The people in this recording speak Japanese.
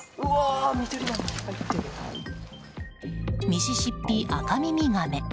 ミシシッピアカミミガメ。